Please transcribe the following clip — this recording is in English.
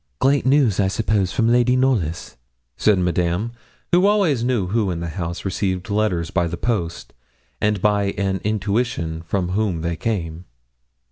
'Great news, I suppose, from Lady Knollys?' said Madame, who always knew who in the house received letters by the post, and by an intuition from whom they came.